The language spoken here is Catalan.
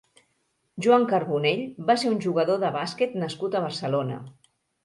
Joan Carbonell va ser un jugador de bàsquet nascut a Barcelona.